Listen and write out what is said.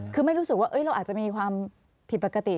คือไม่รู้สึกว่าเราอาจจะมีความผิดปกติ